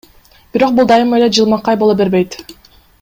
Бирок бул дайыма эле жылмакай боло бербейт.